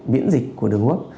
biễn dịch của đường hô hấp